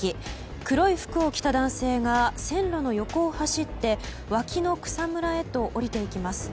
黒い服を着た男性が線路の横を走って脇の草むらへと降りていきます。